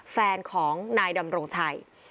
แฟนของนายดำรงชัย